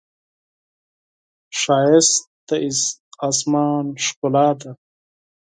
ښایست د آسمان ښکلا ده